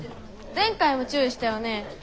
前回も注意したよね。